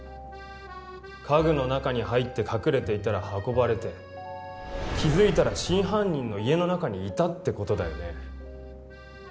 家具の中に入って隠れていたら運ばれて気づいたら真犯人の家の中にいたってことだよね。